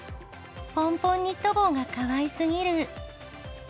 ポンポンニット帽がかわいすぎる。